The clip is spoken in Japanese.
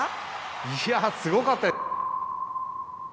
いやすごかった。